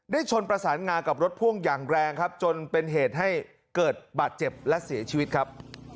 ชนประสานงากับรถพ่วงอย่างแรงครับจนเป็นเหตุให้เกิดบาดเจ็บและเสียชีวิตครับ